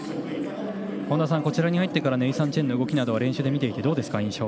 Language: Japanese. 本田さん、こちらに入ってからネイサン・チェンの動きなどは練習で見ていてどうですか。